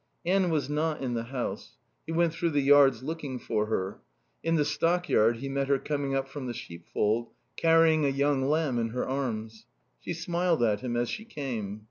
Anne was not in the house. He went through the yards looking for her. In the stockyard he met her coming up from the sheepfold, carrying a young lamb in her arms. She smiled at him as she came.